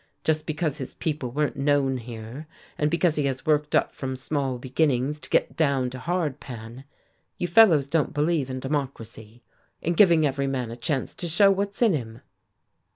Just because his people weren't known here, and because he has worked up from small beginnings. To get down to hard pan, you fellows don't believe in democracy, in giving every man a chance to show what's in him."